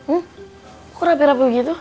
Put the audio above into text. ugh aku rapi rapi begitu